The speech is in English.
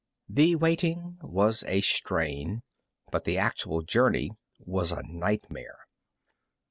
The waiting was a strain, but the actual journey was a nightmare.